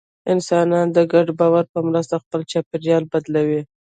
انسانان د ګډ باور په مرسته خپل چاپېریال بدلوي.